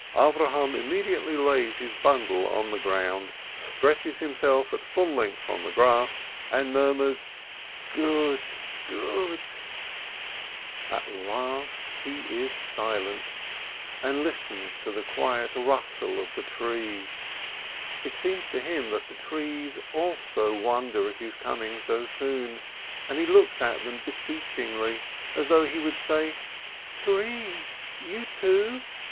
Avrohom immediately lays his bundle on the ground, stretches himself out full length on the grass, and mur murs, "Good ! good !" 28 •• 430 RAISIN At last he is silent, and listens to the quiet rustle of the trees. It seems to him that the trees also wonder at his coming so soon, and he looks at them beseechingly, as though he would say : "Trees — you, too!